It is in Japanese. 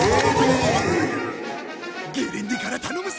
ゲレンデから頼むぜ！